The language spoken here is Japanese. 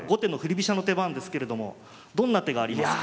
飛車の手番ですけれどもどんな手がありますか？